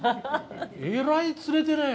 えらい釣れてね。